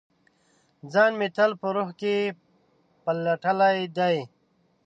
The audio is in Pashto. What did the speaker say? ځان مې تل په روح کې پلټلي دی